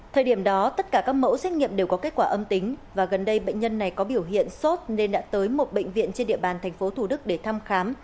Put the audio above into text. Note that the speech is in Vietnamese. thời điểm đó tất cả các mẫu xét nghiệm đều có kết quả âm tính và gần đây bệnh nhân này có biểu hiện sốt nên đã tới một bệnh viện trên địa bàn tp thủ đức để thăm khám